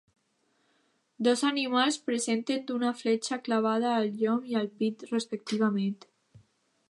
Dos animals presenten una fletxa clavada al llom i al pit respectivament.